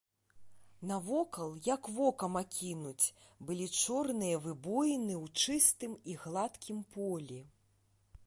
Навокал, як вокам акінуць, былі чорныя выбоіны ў чыстым і гладкім полі.